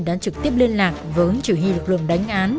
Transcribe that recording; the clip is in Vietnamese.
đã trực tiếp liên lạc với chủ hy lực lượng đánh án